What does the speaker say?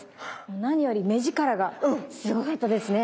何より目力がすごかったですね。